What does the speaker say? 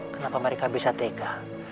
kenapa mereka bisa teka